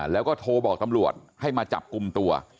แล้วก็โทรบอกตำรวจให้มาจับกลุ่มตัว